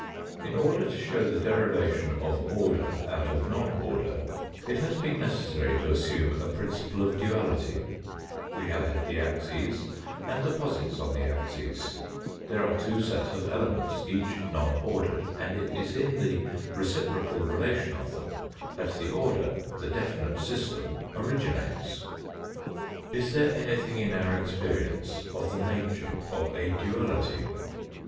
In order to show the derivation order out of non order it has been necessary to assume a principle of duality we have had the axes and the posits on the axes there are two sets of elements, each non ordered, and it is in the reciprocal relation of them that the order, the definite system, originates. Is there anything in our experience of the nature of a duality